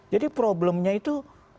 jadi problemnya itu